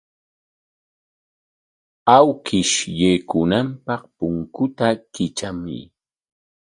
Awkish yaykunanpaq punkuta kitramuy.